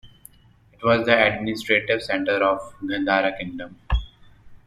It was the administrative centre of the Gandhara kingdom.